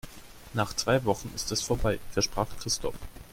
Nach zwei Wochen ist es vorbei, versprach Christoph.